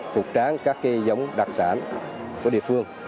phục tráng các giống đặc sản của địa phương